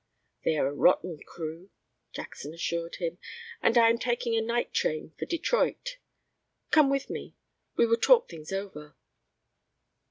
"They are a rotten crew," Jackson assured him, "and I am taking a night train for Detroit. Come with me. We will talk things over."